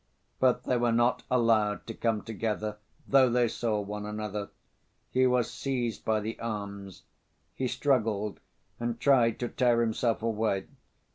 But they were not allowed to come together, though they saw one another. He was seized by the arms. He struggled, and tried to tear himself away.